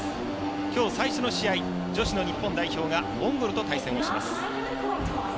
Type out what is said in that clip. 今日最初の試合女子の日本代表がモンゴルと対戦をします。